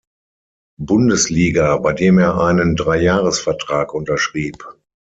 Bundesliga, bei dem er einen Dreijahresvertrag unterschrieb.